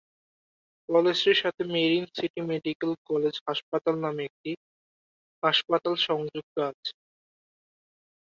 কলেজটির সাথে Marine City Medical College হাসপাতাল নামে একটি হাসপাতাল সংযুক্ত আছে।